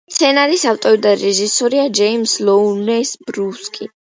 სცენარის ავტორი და რეჟისორია ჯეიმზ ლოურენს ბრუკსი.